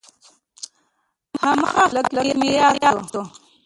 هماغه هلک مې راياد سو.